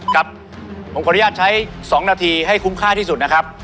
ครับผมขออนุญาตใช้๒นาทีให้คุ้มค่าที่สุดนะครับ